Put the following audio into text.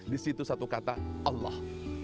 disitu satu kata allah